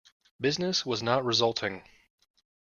Business was not resulting.